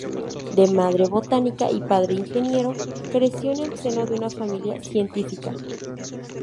De madre botánica y padre ingeniero, creció en el seno de una familia científica.